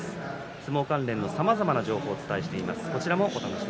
相撲関連のさまざまな情報をお伝えします。